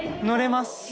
乗ります！